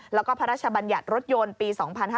แล้วก็พระราชบัญญัติรถยนต์ปี๒๕๕๙